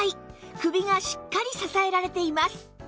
首がしっかり支えられています